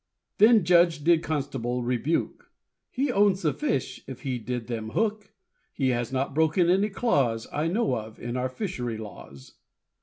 Then judge did constable rebuke, He owns fish if he did them hook, He has not broken any clause I know of in our fishery laws.